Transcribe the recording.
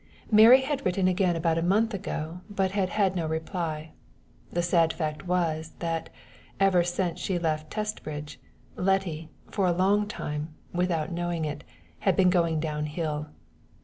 Mary had written again about a month ago, but had had no reply. The sad fact was, that, ever since she left Testbridge, Letty, for a long time, without knowing it, had been going down hill.